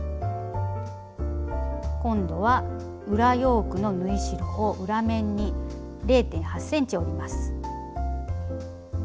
今度は裏ヨークの縫い代を裏面に０．８ｃｍ折ります。